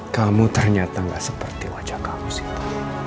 kamu ternyata gak seperti wajah kamu sita